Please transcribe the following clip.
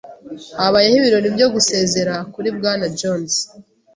Habaye ibirori byo gusezera kuri Bwana Jones.